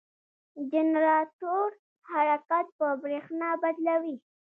جنراتور حرکت په برېښنا بدلوي.